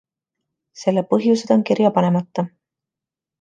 Selle põhjused on kirja panemata.